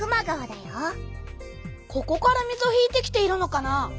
ここから水を引いてきているのかな？